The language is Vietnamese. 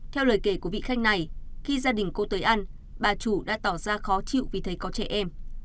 theo lời kể của vị khanh này khi gia đình cô tới ăn bà chủ đã tỏ ra khó chịu vì thấy có trẻ em